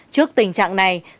trước tình trạng này thương vụ